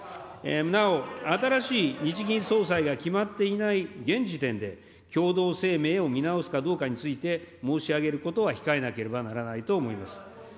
なお、新しい日銀総裁が決まっていない現時点で、共同声明を見直すかどうかについて、申し上げることは控えなければならないと思います。